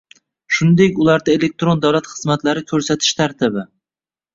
shuningdek ularda elektron davlat xizmatlari ko‘rsatish tartibi